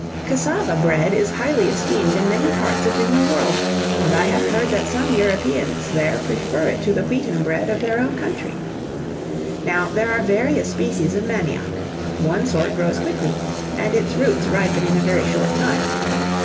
"Cassava bread is highly esteemed in many parts of the New World, and I have heard that some Europeans there prefer it to the wheaten bread of their own country. There are various species of manioc. One sort grows quickly, and its roots ripen in a very short time.